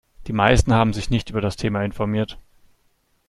Die meisten haben sich nicht über das Thema informiert.